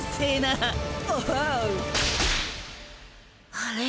あれ？